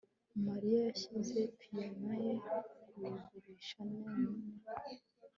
Mariya yashyize piyano ye kugurisha Nero